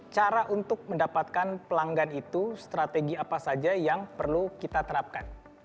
cara untuk mendapatkan pelanggan itu strategi apa saja yang perlu kita terapkan